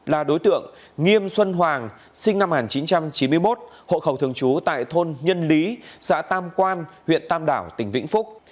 là đối tượng nghiêm xuân hoàng sinh năm một nghìn chín trăm chín mươi một hộ khẩu thường trú tại thôn nhân lý xã tam quan huyện tam đảo tỉnh vĩnh phúc